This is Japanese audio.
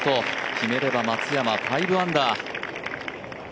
決めれば松山５アンダー。